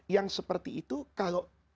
yang seperti itu kalau